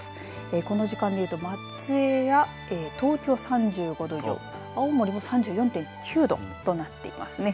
この時間見ると松江や東京３５度以上青森も３４．９度となっていますね。